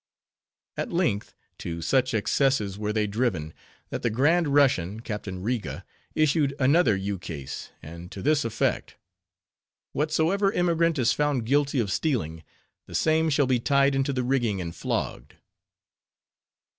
At length, to such excesses were they driven, that the Grand Russian, Captain Riga, issued another ukase, and to this effect: Whatsoever emigrant is found guilty of stealing, the same shall be tied into the rigging and flogged.